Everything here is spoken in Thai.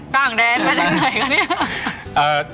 ต่างแดนก็เเนี่ย